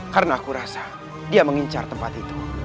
karena aku rasa dia mengincar tempat itu